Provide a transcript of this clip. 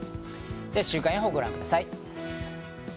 週間予報をご覧ください。